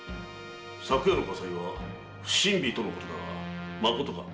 昨夜の火災は不審火とのことだがまことか？